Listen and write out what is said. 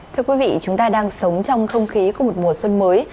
thưa quý vị chúng ta đang sống trong không khí của một mùa xuân mới